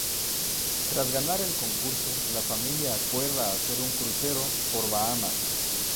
Tras ganar el concurso, la familia acuerda hacer un crucero por Bahamas.